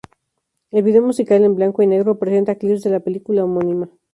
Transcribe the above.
El vídeo musical en blanco y negro presenta clips de la película homónima.